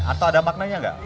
atau ada maknanya nggak